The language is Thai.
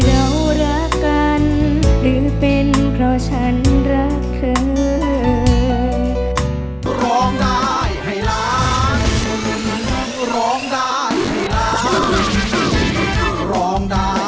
ร้องได้ให้ร้าน